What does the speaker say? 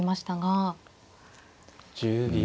１０秒。